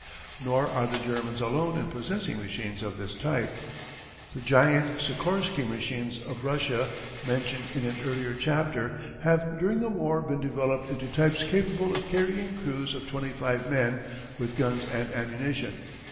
Nor are the Germans alone in possessing machines of this type. The giant Sikorsky machines of Russia, mentioned in an earlier chapter, have during the war been developed into types capable of carrying crews of twenty five men with guns and ammunition.